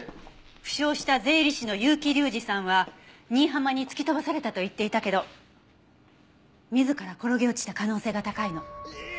負傷した税理士の結城隆司さんは新浜に突き飛ばされたと言っていたけど自ら転げ落ちた可能性が高いの。